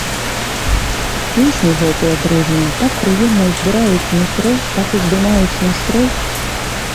Песні гэтыя дружныя так прыемна ўзбураюць нутро, так уздымаюць настрой.